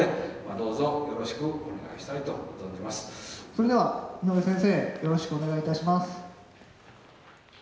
それでは井上先生よろしくお願いいたします。